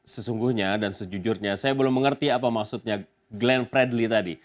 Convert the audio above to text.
sesungguhnya dan sejujurnya saya belum mengerti apa maksudnya glenn fredly tadi